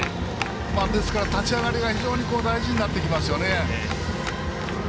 ですから立ち上がりが非常に大事になってきますよね。